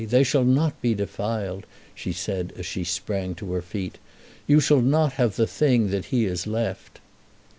They shall not be defiled," she said as she sprang to her feet. "You shall not have the thing that he has left."